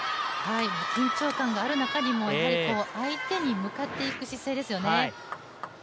緊張感がある中にも相手に向かっていく姿勢ですよね。